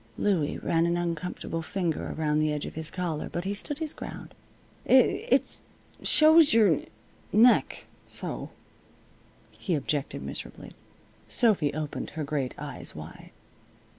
Louie ran an uncomfortable finger around the edge of his collar, but he stood his ground. "It it shows your neck so," he objected, miserably. Sophy opened her great eyes wide.